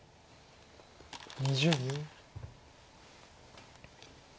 ２０秒。